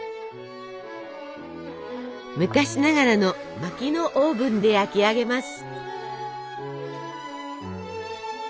昔ながらのまきのオーブンで焼き上げます。